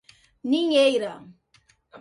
Ninheira